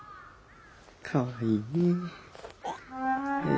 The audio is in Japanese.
かわいいねえ。